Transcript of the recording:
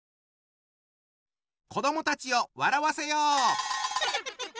子どもたちを笑わせよう！